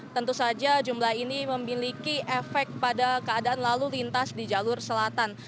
tentu saja jumlah ini memiliki efek pada keadaan lalu lintas di jalur selatan